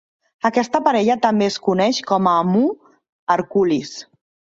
Aquesta parella també es coneix com a Mu Herculis.